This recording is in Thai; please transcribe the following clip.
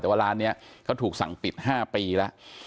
แต่ว่าร้านนี้เขาถูกสั่งปิด๕ปีแล้ว